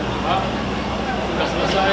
bahwa sudah selesai dua belas agaknya